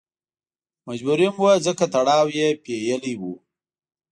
مجبوري هم وه ځکه تړاو یې پېیلی و.